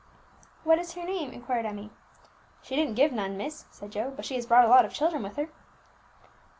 "What is her name?" inquired Emmie. "She didn't give none, miss," said Joe; "but she has brought a lot of children with her."